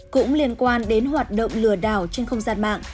cũng liên quan đến hoạt động lừa đảo trên không gian mạng